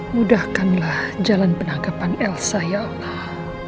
mudahkanlah jalan penangkapan elsa ya allah